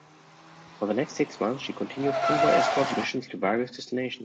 For the next six months, she continued convoy-escort missions to various destinations.